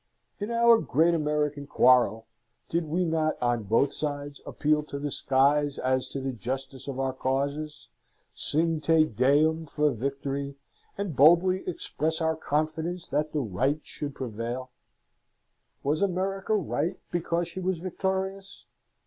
In our great American quarrel, did we not on both sides appeal to the skies as to the justice of our causes, sing Te Deum for victory, and boldly express our confidence that the right should prevail? Was America right because she was victorious?